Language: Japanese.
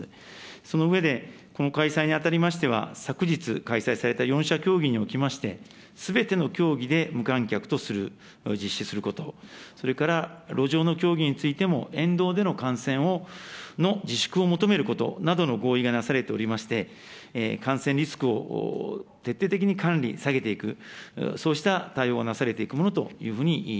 その上でこの開催にあたりましては、昨日開催された４者協議におきまして、すべての競技で無観客とする、実施すること、それから路上の競技についても、沿道での観戦の自粛を求めることなどの合意がなされておりまして、感染リスクを徹底的に管理、下げていく、そうした対応がなされていくもの